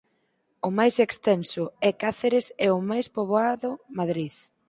O máis extenso é Cáceres e o máis poboado Madrid.